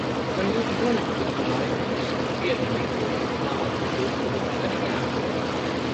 Vai jūs būtu tik laipni, un piedalītos kāzu pupu loterijā?